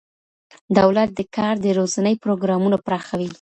دولت د کار د روزنې پروګرامونه پراخوي.